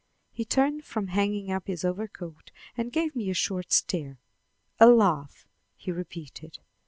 He turned from hanging up his overcoat, and gave me a short stare. "A laugh!" he repeated.